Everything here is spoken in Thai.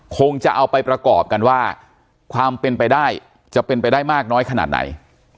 คงจะเอาไปประกอบกันว่าความเป็นไปได้จะเป็นไปได้มากน้อยขนาดไหน